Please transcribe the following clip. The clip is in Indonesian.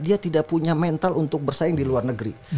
dia tidak punya mental untuk bersaing di luar negeri